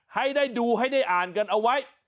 ให้ได้ดูให้ได้อ่านกันเอาไว้